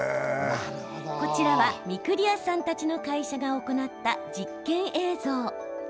こちらは御厨さんたちの会社が行った実験映像。